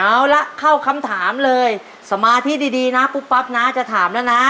เอาละเข้าคำถามเลยสมาธิดีนะปุ๊บปั๊บนะจะถามแล้วนะ